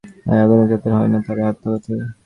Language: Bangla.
এই আত্মজ্ঞান যাদের হয় না, তারাই আত্মঘাতী।